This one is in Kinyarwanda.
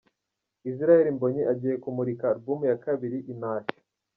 Israel Mbonyi agiye kumurika album ya kabiri 'Intashyo'.